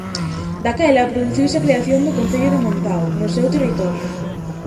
Daquela produciuse a creación do concello de Montao no seu territorio.